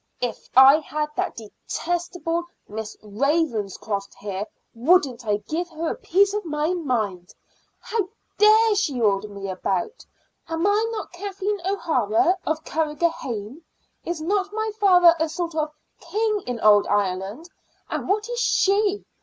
"If I had that detestable Miss Ravenscroft here, wouldn't I give her a piece of my mind? How dare she order me about? Am I not Kathleen O'Hara of Carrigrohane? Is not my father a sort of king in old Ireland? And what is she?